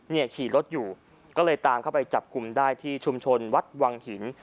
ขี่รถอยู่ก็เลยตามเข้าไปจับกลุ่มได้ที่ชุมชนวัดวังหิน